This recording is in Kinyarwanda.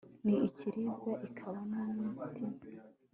ni ikiribwa ikaba n'umiti